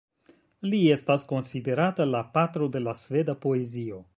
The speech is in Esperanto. Li estas konsiderata la patro de la sveda poezio.